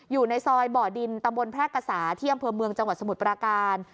อยู่ในซอยบ่อดินตำบลแพร่กษาที่อำเภอเมืองจังหวัดสมุทรปราการ